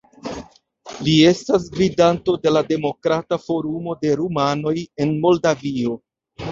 Li estas gvidanto de la Demokrata Forumo de Rumanoj en Moldavio.